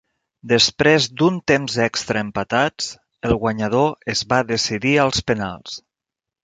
Després d"un temps extra empatats, el guanyador es va decidir als penals.